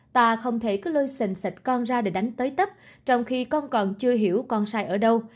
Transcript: ta không thể cứ lôi sền sạch con ra để đánh tới tấp trong khi con còn chưa hiểu con sai ở đâu